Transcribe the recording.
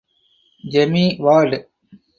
Jamie ward